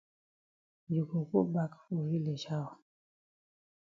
You go go bak for village how?